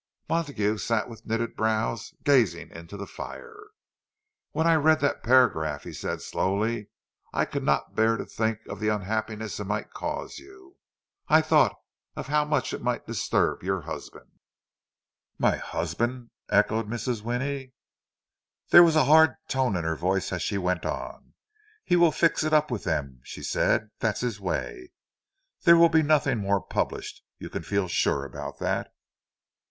Montague sat with knitted brows, gazing into the fire. "When I read that paragraph," he said slowly. "I could not bear to think of the unhappiness it might cause you. I thought of how much it might disturb your husband—" "My husband!" echoed Mrs. Winnie. There was a hard tone in her voice, as she went on. "He will fix it up with them," she said,—"that's his way. There will be nothing more published, you can feel sure of that."